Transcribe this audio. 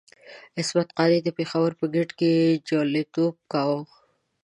عصمت قانع د پېښور په ګېټ کې جواليتوب کاوه.